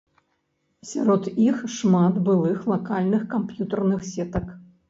Сярод іх шмат былых лакальных камп'ютарных сетак.